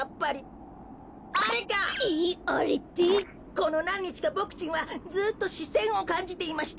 このなんにちかボクちんはずっとしせんをかんじていました。